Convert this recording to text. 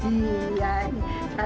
iyuh minta dikawinkan